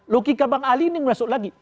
logika bang ali ini masuk lagi